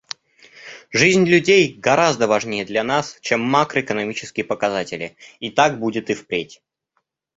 Жизнь людей гораздо важнее для нас, чем макроэкономические показатели, и так будет и впредь.